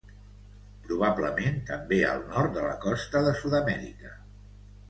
Probablement també al nord de la costa de Sud-amèrica.